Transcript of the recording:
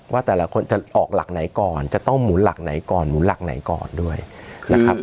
ว่าแต่ละคนจะออกหลักไหนก่อนจะต้องหมุนหลักไหนก่อนหมุนหลักไหนก่อนด้วยนะครับ